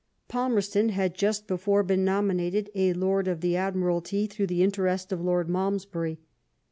Palmerston had just before been nominated a Lord of the Admiralty through the interest of Lord Malmes bury.